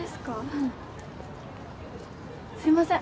うんすいません